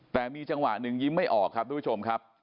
แต่มีจังหวะหนึ่งยิ้มไม่ออกครับทุกผู้ชมครับ